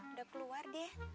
udah keluar dia